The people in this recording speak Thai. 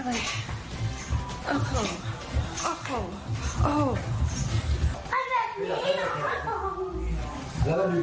ฟิตเห็นไหม